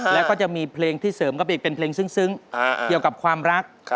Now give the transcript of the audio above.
แล้วก็จะมีเพลงที่เสริมเข้าไปอีกเป็นเพลงซึ้งเกี่ยวกับความรัก